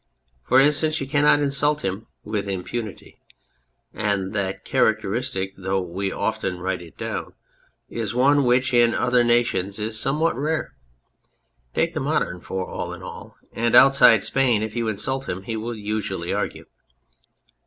For instance, you cannot insult him with impunity, and that characteristic, though we often write it down, is one which in other nations is somewhat rare. Take the modern for all in all, and outside Spain, if you insult him he will usually argue.